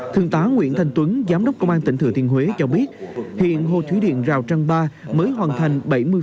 thượng tá nguyễn thành tuấn giám đốc công an tỉnh thừa thiên huế cho biết hiện hồ thủy điện rào trăng ba mới hoàn thành bảy mươi